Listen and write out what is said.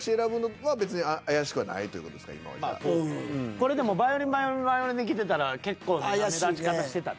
これでもバイオリンバイオリンバイオリンできてたら結構な目立ち方してたで。